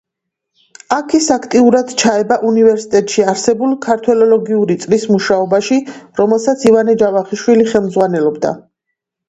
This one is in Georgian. აქ ის აქტიურად ჩაება უნივერსიტეტში არსებულ ქართველოლოგიური წრის მუშაობაში, რომელსაც ივანე ჯავახიშვილი ხელმძღვანელობდა.